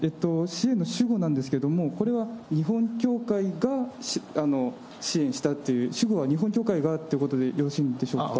支援の主語なんですけれども、これは日本教会が支援したという、主語は、日本教会がということでよろしいのでしょうか。